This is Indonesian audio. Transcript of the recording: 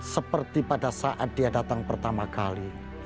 seperti pada saat dia datang pertama kali